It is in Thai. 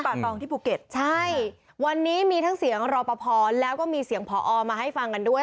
ตองที่ภูเก็ตใช่วันนี้มีทั้งเสียงรอปภแล้วก็มีเสียงพอมาให้ฟังกันด้วย